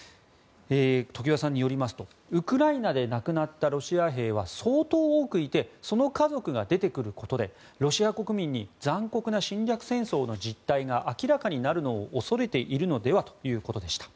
常盤さんによりますとウクライナで亡くなったロシア兵は相当多くいてその家族が出てくることでロシア国民に残酷な侵略戦争の実態が明らかになるのを恐れているのではということでした。